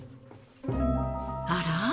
あら？